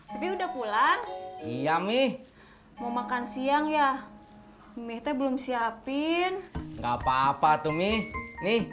tapi udah pulang iya mi mau makan siang ya minta belum siapin enggak papa tuh mi nih